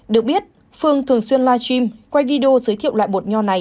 được biết phương thường xuyên live stream quay video giới thiệu loại bột nho này